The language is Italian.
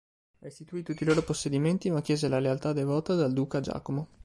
Restituì tutti i loro possedimenti, ma chiese la lealtà devota dal duca Giacomo.